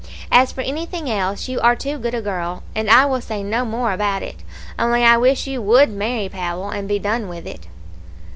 As for anything else, you are too good a girl, and I will say no more about it, only I wish you would marry Powell and be done with it.'